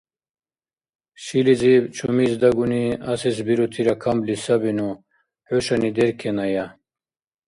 Шилизиб чумиздагуни асес бирутира камли сабину, хӀушани деркеная.